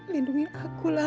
lindungi aku lam